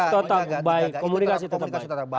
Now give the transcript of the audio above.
komunikasi tetap baik